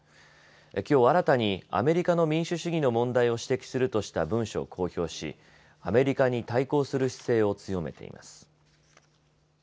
きょう新たにアメリカの民主主義の問題を指摘するとした文書を公表しアメリカに対抗する姿勢を強めています。